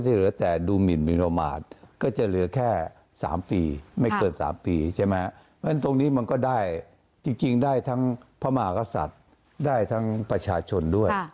ใช่ไหมเพราะฉะนั้นตรงนี้มันก็ได้จริงได้ทั้งพระมหากษัตริย์ได้ทั้งประชาชนด้วย